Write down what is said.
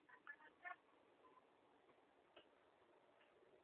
Humu Kanisani.